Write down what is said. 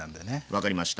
分かりました。